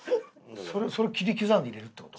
それを切り刻んで入れるって事？